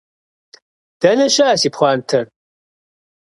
Дэнэ щыӏэ си пхъуантэр?